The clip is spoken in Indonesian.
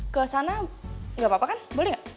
ke sana gak apa apa kan boleh gak